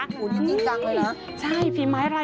อูหูจริงจังเลยนะ